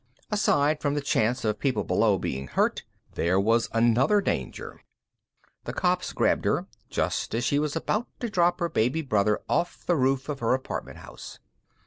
Aside from the chance of people below being hurt, there was another danger. Two cops grabbed her just as she was about to drop her baby brother off the roof of her apartment house.